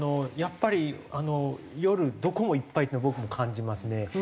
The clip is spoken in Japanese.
やっぱり夜どこもいっぱいっていうのは僕も感じますね。